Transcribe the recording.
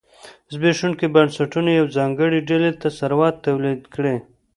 زبېښونکي بنسټونه یوې ځانګړې ډلې ته ثروت تولید کړي.